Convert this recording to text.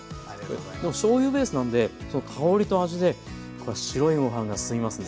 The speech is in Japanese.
でもしょうゆベースなんで香りと味でこれは白いご飯がすすみますね。